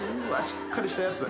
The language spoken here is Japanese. しっかりしたやつ。